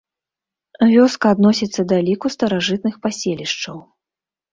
Вёска адносіцца да ліку старажытных паселішчаў.